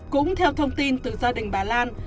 cũng theo thông tin từ gia đình bà lan